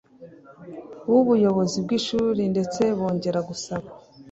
w ubuyobozi bw ishuri ndetse bongera gusaba